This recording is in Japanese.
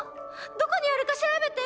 どこにあるか調べて！